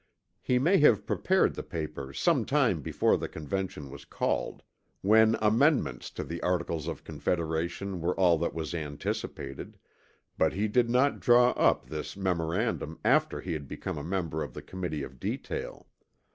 He may have prepared the paper some time before the Convention was called, when amendments to the Articles of Confederation were all that was anticipated, but he did not draw up this memorandum after he had become a member of the Committee of Detail.